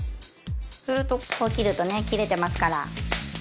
するとここ切るとね切れてますから。